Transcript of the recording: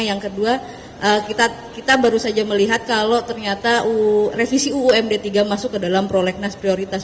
yang kedua kita baru saja melihat kalau ternyata revisi uumd tiga masuk ke dalam prolegnas prioritas